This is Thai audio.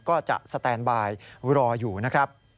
ก็จะสแตนบายรออยู่นะครับ